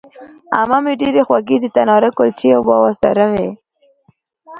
عمه مې ډېرې خوږې د تناره کلچې او بوسراغې